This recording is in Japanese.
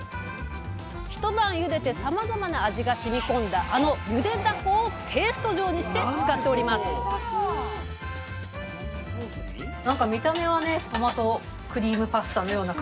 一晩ゆでてさまざまな味がしみ込んだあのゆでダコをペースト状にして使っておりますぜいたく！